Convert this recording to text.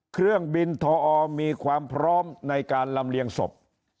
เครื่องบินทอมีความพร้อมในการลำเลียงศพ